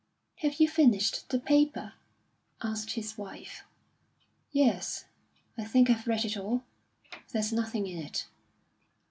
"Have you finished the paper?" asked his wife "Yes, I think I've read it all. There's nothing in it."